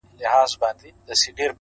پوهه د محدودیتونو پولې نړوي!.